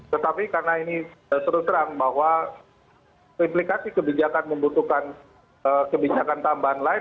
tetapi karena ini terus terang bahwa implikasi kebijakan membutuhkan kebijakan tambahan lain